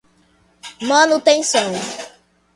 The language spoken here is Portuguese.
manutenção